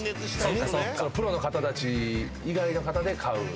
プロの方たち以外の方で買う。